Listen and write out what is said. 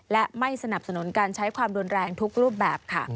และไม่สนับสนุนการใช้ความรุนแรงทุกรูปแบบค่ะ